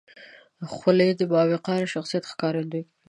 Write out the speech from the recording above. خولۍ د باوقاره شخصیت ښکارندویي کوي.